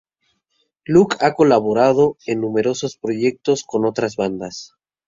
Luke ha colaborado en numerosos proyectos con otras bandas.